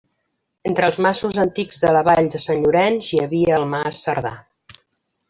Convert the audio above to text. Entre els masos antics de la vall de Sant Llorenç hi havia el Mas Cerdà.